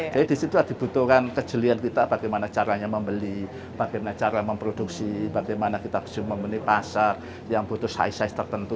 jadi di situ dibutuhkan kejelian kita bagaimana caranya membeli bagaimana cara memproduksi bagaimana kita bisa membeli pasar yang butuh size size tertentu